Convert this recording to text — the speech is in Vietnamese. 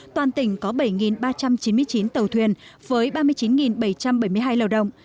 toàn tỉnh có bảy ba trăm chín mươi chín tàu thuyền với ba mươi chín bảy trăm bảy mươi hai lao động